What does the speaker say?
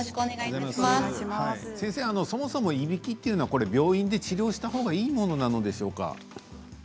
そもそもいびきというのは病院で治療したほうがいいものなのでしょうか？